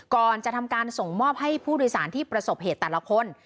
ก่อนจะทำการส่งมอบให้ผู้โดยสารที่ประสบเหตุแต่ละคน